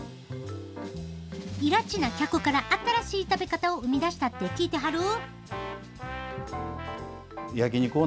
いらちな客から新しい食べ方を生み出したって聞いてはる？